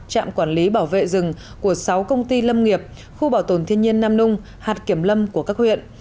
trạm quản lý bảo vệ rừng của sáu công ty lâm nghiệp khu bảo tồn thiên nhiên nam nung hạt kiểm lâm của các huyện